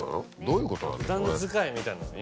どういうことなの？